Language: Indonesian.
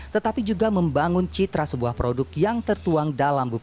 tetapi juga membangun citra sebuah produk yang tertuang dalam buku